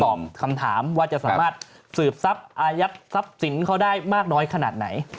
คำถามว่าจะสามารถสืบทรัพย์อายัดทรัพย์สินเขาได้มากน้อยขนาดไหน